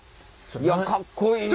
いやかっこいいこれ。